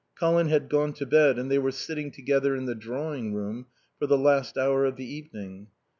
Colin had gone to bed and they were sitting together in the drawing room for the last hour of the evening.